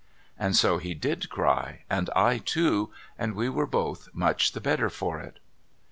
' And so he did cry and I too and we were both much the better for it.